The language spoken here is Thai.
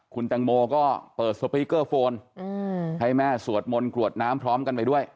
คุณแตงโมก็เปิดสปีกเกอร์โฟนให้แม่สวดมนต์กรวดน้ำพร้อมกันไปด้วย